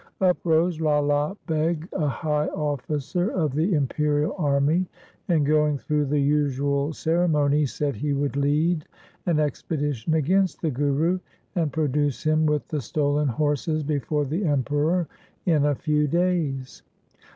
Up rose Lala Beg, a high officer of the im perial army, and going through the usual ceremony said he would lead an expedition against the Guru, and produce him with the stolen horses before the Emperor in a few days.